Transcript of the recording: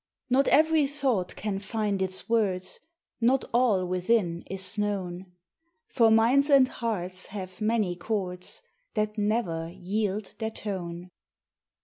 Not every thought can find its words, Not all within is known ; For minds and hearts have many chords That never yield their tone.